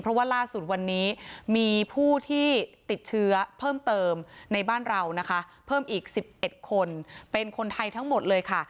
เพราะว่าล่าสุดวันนี้มีผู้ที่ติดเชื้อเพิ่มเติมในบ้านเรานะคะเพิ่มอีก๑๑คนเป็นคนไทยทั้งหมดเลยค่ะ